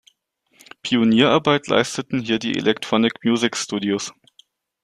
Pionierarbeit leisteten hier die Electronic Music Studios.